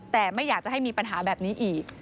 แต่ไม่อยากจะให้มีปัญหาแบบนี้อีก